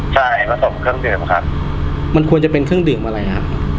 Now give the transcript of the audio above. ใช่ผสมเครื่องดื่มครับมันควรจะเป็นเครื่องดื่มอะไรฮะ